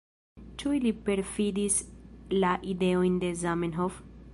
Ĉu ili perfidis la ideojn de Zamenhof?